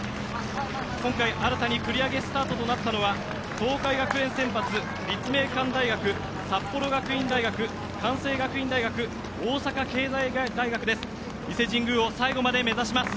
今回、新たに繰り上げスタートとなったのは東海学連選抜、立命館大学札幌学院大学関西学院大学大阪経済大学です。